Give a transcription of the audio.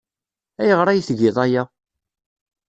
Ayɣer ay tgiḍ aya?